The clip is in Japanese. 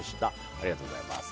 ありがとうございます。